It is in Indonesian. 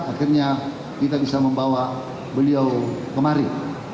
akhirnya kita bisa membawa beliau kemari